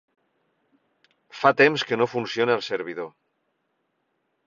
Fa temps que no funciona el servidor.